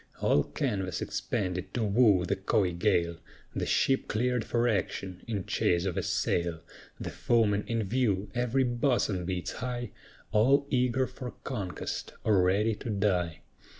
All canvas expanded to woo the coy gale, The ship cleared for action, in chase of a sail; The foemen in view, every bosom beats high, All eager for conquest, or ready to die.